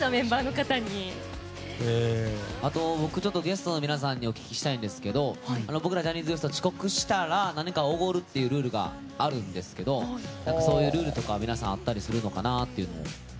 あと、僕ゲストの皆さんにお聞きしたいんですけど僕らジャニーズＷＥＳＴ遅刻したら何かおごるというルールがあるんですけどそういうルールとか皆さんあったりするのかなって。